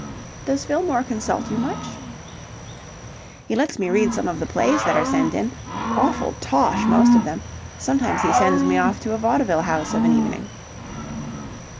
"Does Fillmore consult you much?" "He lets me read some of the plays that are sent in. Awful tosh most of them. Sometimes he sends me off to a vaudeville house of an evening."